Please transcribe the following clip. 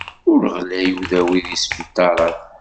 Ur ɣlay udawi deg sbiṭarat.